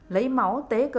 lấy máu tế cờ